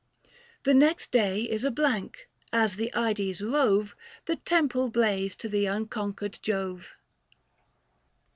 The next day is a blank ; as the Ides rove The temples blaze to the unconquered Jove.